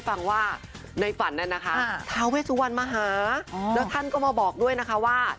ฟังว่าในฝันนั้นนะคะทาเวสุวรรณมาหาแล้วท่านก็มาบอกด้วยนะคะว่า